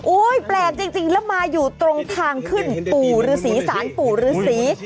อุ๊ยแปลกจริงแล้วมาอยู่ตรงทางขึ้นปู่หรือสีสารปู่หรือสี